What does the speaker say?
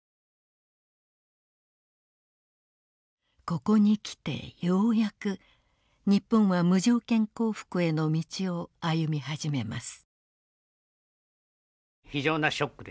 ここに来てようやく日本は無条件降伏への道を歩み始めます。